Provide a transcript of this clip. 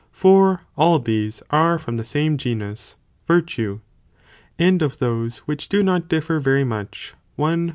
(for all these are from the same genus, virtue,t) Waitz and" and of those which do not differ very much, one Bekker.